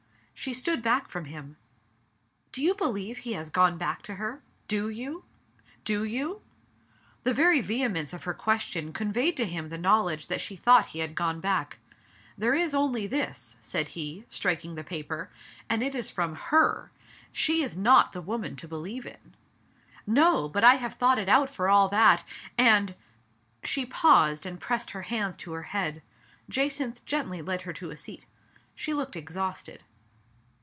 '* She stood back from him. "Do you believe he has gone back to her? Do you? Do you?" The very vehemence of her question conveyed to him the knowledge that she thought he had gone back. "There is only this/' said he, striking the paper. "And it is from her. She is not the woman to believe in." "No! But I have thought it out for all that, and " She paused and pressed her hands to her head. Jacynth gently led her to a seat. She looked exhausted.